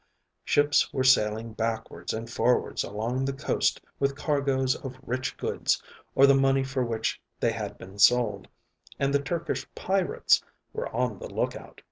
Ships were sailing backwards and forwards along the coast with cargoes of rich goods or the money for which they had been sold, and the Turkish pirates were on the lookout.